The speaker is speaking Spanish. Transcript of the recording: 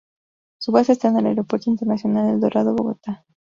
Su base está en el Aeropuerto Internacional El Dorado, Bogotá.